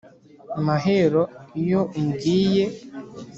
Mahero iyo umbwiye